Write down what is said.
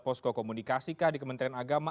posko komunikasikah di kementerian agama